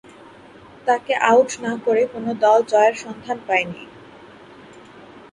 তাকে আউট না করে কোন দল জয়ের সন্ধান পায়নি।